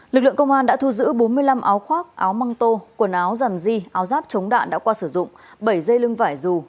lực lượng công an đã thu giữ bốn mươi năm áo khoác áo măng tô quần áo dằn di áo giáp chống đạn đã qua sử dụng bảy dây lưng vải dù